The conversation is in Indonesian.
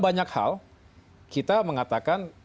banyak hal kita mengatakan